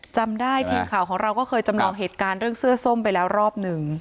จำได้ทีมข่าวของเราก็เคยจำลองเหตุการณ์เรื่องเสื้อส้มไปแล้วรอบหนึ่ง